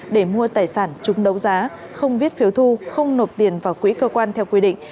để mua tài sản chung đấu giá không viết phiếu thu không nộp tiền vào quỹ cơ quan theo quy định